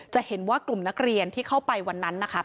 จะเห็นว่ากลุ่มนักเรียนที่เข้าไปวันนั้นนะคะ